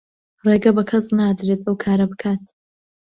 ڕێگە بە کەس نادرێت ئەو کارە بکات.